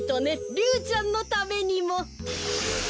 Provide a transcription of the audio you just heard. リュウちゃんのためにも。